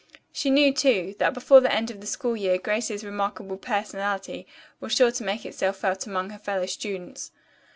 She knew, too, that before the end of the school year Grace's remarkable personality was sure to make itself felt among her fellow students.